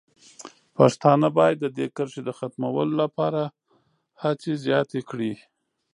پښتانه باید د دې کرښې د ختمولو لپاره هڅې زیاتې کړي.